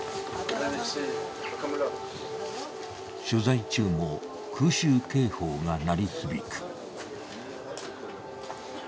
取材中も空襲警報が鳴り響く。